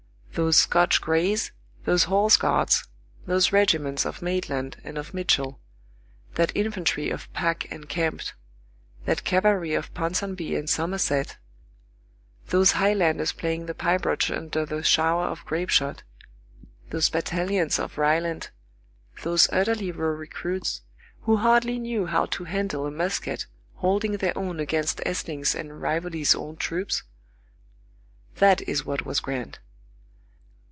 Those Scotch Grays, those Horse Guards, those regiments of Maitland and of Mitchell, that infantry of Pack and Kempt, that cavalry of Ponsonby and Somerset, those Highlanders playing the pibroch under the shower of grape shot, those battalions of Rylandt, those utterly raw recruits, who hardly knew how to handle a musket holding their own against Essling's and Rivoli's old troops,—that is what was grand.